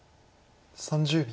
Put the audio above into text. ３０秒。